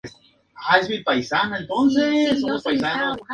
La batalla tuvo lugar en la costa del Rif.